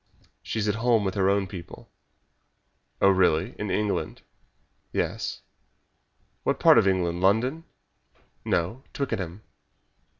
"She is at home with her own people." "Oh, really in England?" "Yes." "What part of England London?" "No, Twickenham."